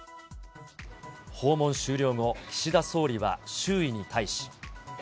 訪問終了後、岸田総理は周囲に対し。